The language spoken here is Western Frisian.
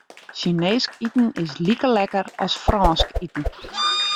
Sjineesk iten is like lekker as Frânsk iten.